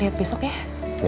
lihat besok ya